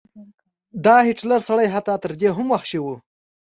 دا هټلر سړی حتی تر دې هم وحشي و.